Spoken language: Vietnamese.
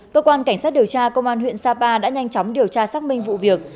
cơ quan cảnh sát điều tra công an huyện sapa đã nhanh chóng điều tra xác minh vụ việc